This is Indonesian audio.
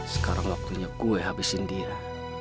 sekarang waktunya gue habisin dia